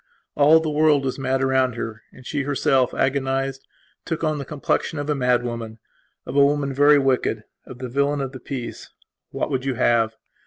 All the world was mad around her and she herself, agonized, took on the complexion of a mad woman; of a woman very wicked; of the villain of the piece. What would you have?